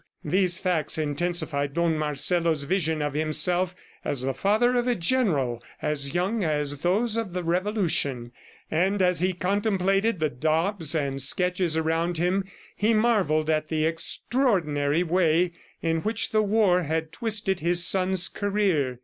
These facts intensified Don Marcelo's vision of himself as the father of a general as young as those of the revolution; and as he contemplated the daubs and sketches around him, he marvelled at the extraordinary way in which the war had twisted his son's career.